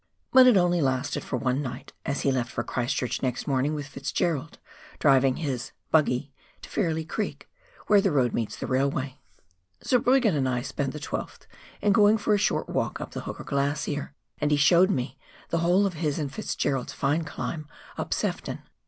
But it only lasted for one night, as he left for Christchurch next morning with Fitzgerald — driving his "buggy" to Fairlie Creek, where the road meets the railway. Zurbriggen and I spent the 12 th in going for a short walk up the Hooker Glacier, and he showed me the whole of his and Fitzgerald's fine climb up Sefton.